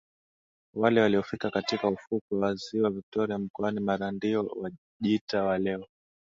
wale waliofika katika ufukwe wa Ziwa Victoria mkoani Mara ndio Wajita wa leo